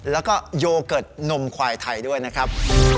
แล้วก็โยเกิร์ตนมควายไทยด้วยนะครับ